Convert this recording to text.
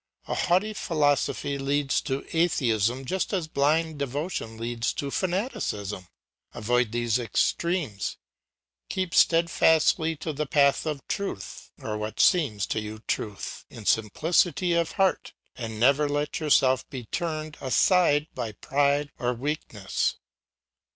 A haughty philosophy leads to atheism just as blind devotion leads to fanaticism. Avoid these extremes; keep steadfastly to the path of truth, or what seems to you truth, in simplicity of heart, and never let yourself be turned aside by pride or weakness.